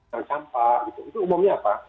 jangan campak gitu itu umumnya apa